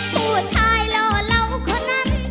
ผู้ชายหล่อเหล่าคนนั้น